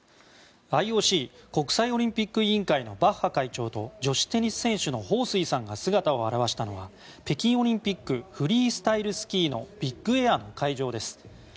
ＩＯＣ・国際オリンピック委員会のバッハ会長と女子テニス選手のホウ・スイさんが姿を現したのは北京オリンピックフリースタイルスキーのビッグエアの会場です。